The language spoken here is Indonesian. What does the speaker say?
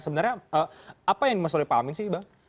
sebenarnya apa yang dimaksud oleh pak amin sih bang